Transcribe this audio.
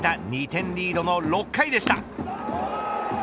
２点リードの６回でした。